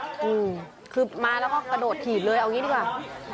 อืมคือมาแล้วก็กระโดดถีบเลยเอางี้ดีกว่า